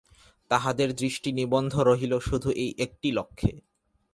তাহাদের দৃষ্টি নিবন্ধ রহিল শুধু এই একটি লক্ষ্যে।